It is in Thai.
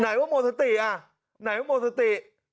ไหนว่าหมดสติอ่ะไหนว่าหมดสติ